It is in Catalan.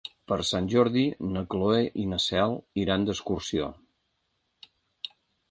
Per Sant Jordi na Cloè i na Cel iran d'excursió.